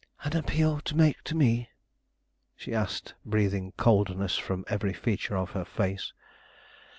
"An appeal to make to me?" she asked, breathing coldness from every feature of her face.